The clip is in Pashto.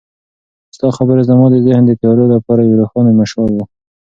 ستا خبرې زما د ذهن د تیارو لپاره یو روښانه مشال و.